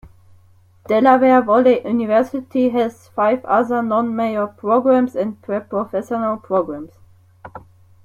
Delaware Valley University has five other non-major programs and pre-professional programs.